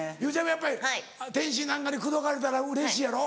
やっぱり天心なんかに口説かれたらうれしいやろ？